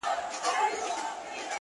• د کابل تصوېر مي ورکی په تحفه کي ..